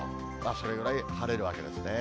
それぐらい晴れるわけですね。